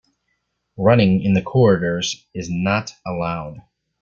Running in the corridors is not allowed